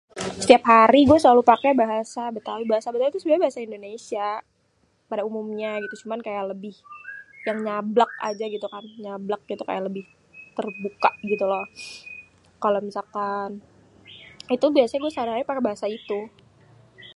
Setiap hari gua selalu paké bahasa Betawi. Bahasa Betawa tuh sebenernya bahasa Indonesia pada umumnya gitu cuman kayak lebih yang nyablak aja gitu kan. Nyablak gitu kayak terbuka gitu lho. Kalo misalkan itu sehari-hari gua paké bahasa itu.